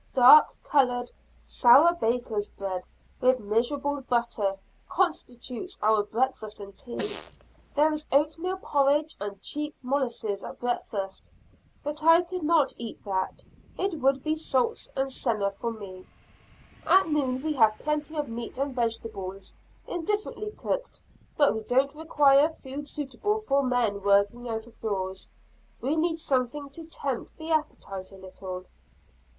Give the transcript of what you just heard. Dark colored, sour bakers' bread, with miserable butter, constitutes our breakfast and tea; there is oatmeal porridge and cheap molasses at breakfast, but I could not eat that, it would be salts and senna for me. At noon we have plenty of meat and vegetables, indifferently cooked, but we don't require food suitable for men working out of doors. We need something to tempt the appetite a little.